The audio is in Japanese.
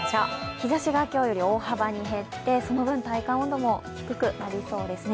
日ざしが今日より大幅に減ってその分体感温度も低くなりそうですね。